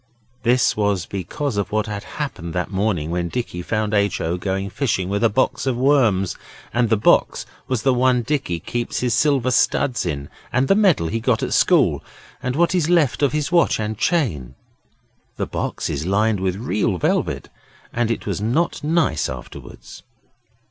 This was because of what had happened that morning when Dicky found H. O. going fishing with a box of worms, and the box was the one Dicky keeps his silver studs in, and the medal he got at school, and what is left of his watch and chain. The box is lined with red velvet and it was not nice afterwards.